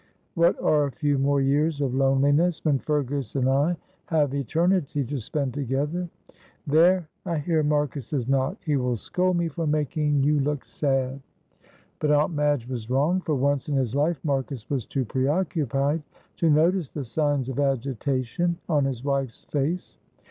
"What are a few more years of loneliness when Fergus and I have eternity to spend together. There, I hear Marcus's knock; he will scold me for making you look sad." But Aunt Madge was wrong, for once in his life Marcus was too preoccupied to notice the signs of agitation on his wife's face.